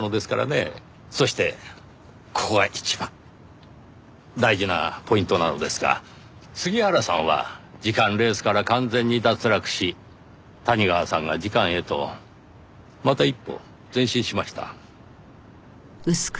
そしてここが一番大事なポイントなのですが杉原さんは次官レースから完全に脱落し谷川さんが次官へとまた一歩前進しました。